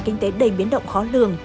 kinh tế đầy biến động khó lường